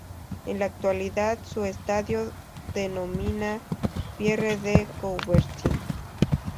En la actualidad su estadio de denomina Pierre de Coubertin.